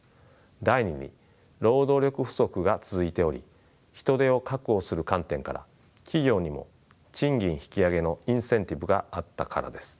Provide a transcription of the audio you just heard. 第２に労働力不足が続いており人手を確保する観点から企業にも賃金引き上げのインセンティブがあったからです。